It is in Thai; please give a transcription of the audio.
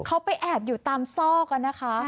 เขาไปแอบอยู่ตามซอกนะคะ